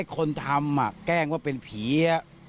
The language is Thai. คนทำแกล้งว่าเป็นผี